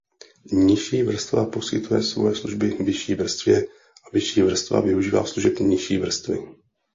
Nižší vrstva poskytuje svoje služby vyšší vrstvě a vyšší vrstva využívá služeb nižší vrstvy.